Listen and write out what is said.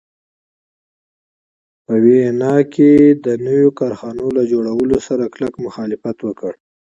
په ویانا کې د نویو کارخانو له جوړولو سره کلک مخالفت وکړ.